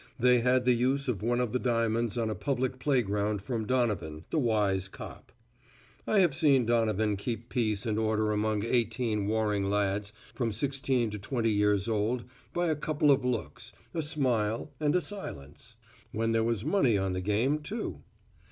They had the use of one of the diamonds on a public playground from Donovan, the wise cop. I have seen Donovan keep peace and order among eighteen warring lads from sixteen to twenty years old by a couple of looks, a smile and a silence. When there was money on the game, too.